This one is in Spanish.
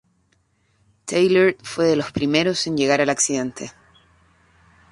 Taylor fue de los primeros en llegar al accidente.